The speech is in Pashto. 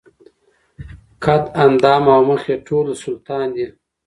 قد اندام او مخ یې ټوله د سلطان دي